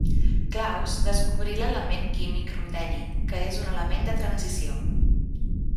Claus descobrí l'element químic ruteni, que és un element de transició.